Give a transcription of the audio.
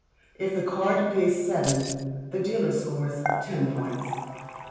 If the trump card be a seven, the dealer scores ten points.